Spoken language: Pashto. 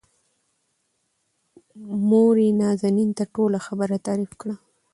موريې نازنين ته ټوله خبره تعريف کړه.